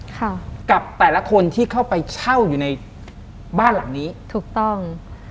ค่ะกับแต่ละคนที่เข้าไปเช่าอยู่ในบ้านหลังนี้ถูกต้อง